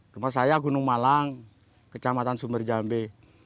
rumah saya gunung malang kecamatan sumberjambi